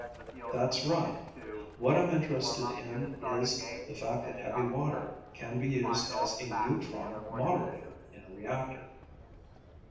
"That's right. What I'm interested in is the fact that heavy water can be used as a neutron moderator in a reactor."